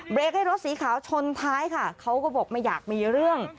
ให้รถสีขาวชนท้ายค่ะเขาก็บอกไม่อยากมีเรื่อง